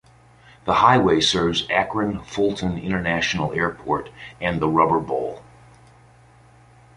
The highway serves Akron Fulton International Airport and the Rubber Bowl.